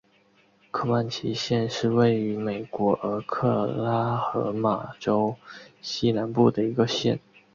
科曼奇县是位于美国俄克拉何马州西南部的一个县。